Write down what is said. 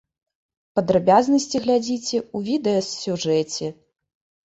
Падрабязнасці глядзіце ў відэасюжэце.